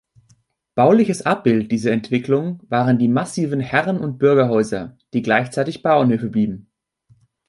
Bauliches Abbild dieser Entwicklung waren die massiven Herren- und Bürgerhäuser, die gleichzeitig Bauernhöfe blieben.